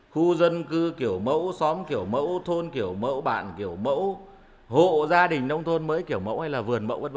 khu dân cư kiểu mẫu xóm kiểu mẫu thôn kiểu mẫu bạn kiểu mẫu hộ gia đình nông thôn mới kiểu mẫu hay là vườn mẫu v v